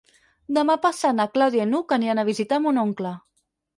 Demà passat na Clàudia i n'Hug aniran a visitar mon oncle.